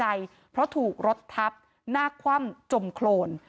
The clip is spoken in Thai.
ในการหายใจเพราะถูกรดทับหน้าคว่ำจมโครน